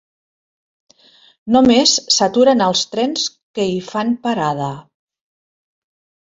Només s'aturen els trens que hi fan parada.